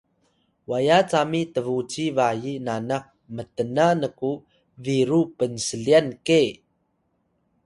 waya cami tbuci bayi nanak mtna nku biru pnslyan ke